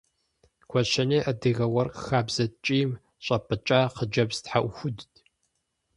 Гуащэней адыгэ уэркъ хабзэ ткӀийм щӀапӀыкӀа хъыджэбз тхьэӀухудт.